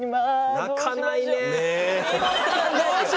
泣かないよ